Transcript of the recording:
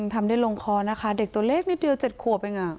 ทำได้ลงคอนะคะเด็กตัวเล็กนิดเดียว๗ขวบเอง